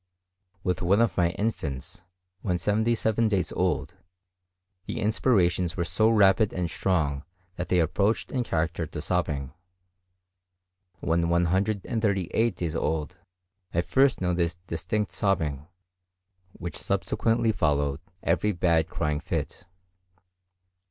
With one of my infants, when seventy seven days old, the inspirations were so rapid and strong that they approached in character to sobbing; when 138 days old I first noticed distinct sobbing, which subsequently followed every bad crying fit.